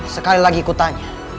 sekali lagi ku tanya